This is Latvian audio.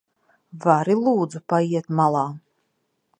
Vari lūdzu paiet malā?